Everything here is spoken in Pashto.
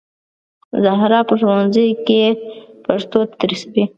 زهرا په ښوونځي کې پښتو تدریسوي